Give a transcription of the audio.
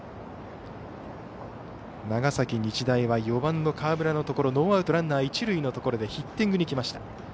長崎日大は４番の河村のところノーアウトランナー、一塁のところヒッティングに来ました。